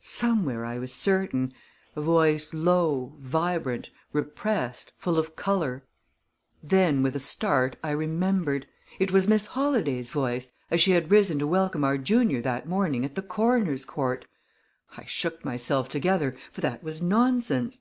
Somewhere, I was certain a voice low, vibrant, repressed, full of color. Then, with a start, I remembered! It was Miss Holladay's voice, as she had risen to welcome our junior that morning at the coroner's court! I shook myself together for that was nonsense!